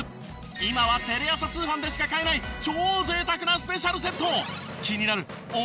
今はテレ朝通販でしか買えない超贅沢なスペシャルセット。